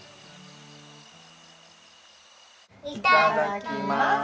いただきます。